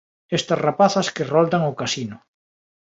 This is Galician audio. Estas rapazas que roldan o casino.